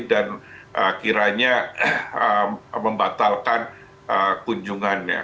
dan kiranya membatalkan kunjungannya